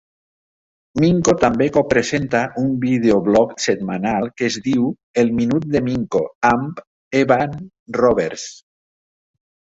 Minko també co-presenta un vídeo blog setmanal que es diu el "Minut de Minko" amb Evan Roberts.